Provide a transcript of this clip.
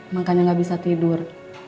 makanya gak bisa tidur